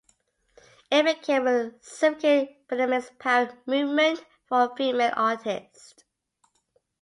It became a significant feminist power movement for female artists.